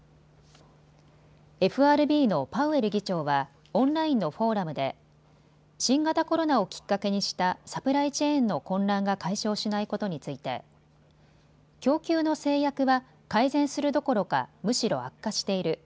ＦＲＢのパウエル議長はオンラインのフォーラムで新型コロナをきっかけにしたサプライチェーンの混乱が解消しないことについて供給の制約は改善するどころかむしろ悪化している。